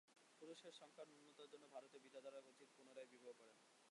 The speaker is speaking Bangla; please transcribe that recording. পুরুষের সংখ্যা-ন্যূনতার জন্য ভারতে বিধবারা ক্বচিৎ পুনরায় বিবাহ করেন।